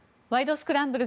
スクランブル」